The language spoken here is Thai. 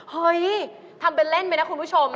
เฮ้ยทำเป็นเล่นไปนะคุณผู้ชม